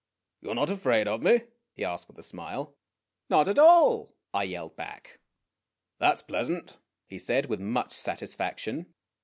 "You 're not afraid of me?" he asked with a smile. " Not at all," I yelled back. "That 's pleasant," he said with much satisfaction.